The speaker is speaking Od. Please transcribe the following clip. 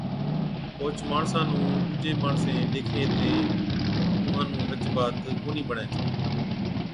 اوهچ ماڻسا نُون ڏُوجين ماڻسين ڏيکين هِتين تہ اُونهان نُون هچ بات ڪونهِي بڻَي ڇَي۔